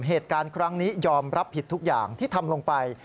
เหตุการณ์ครั้งนี้ยอมรับผิดทุกอย่างที่ทำลงไป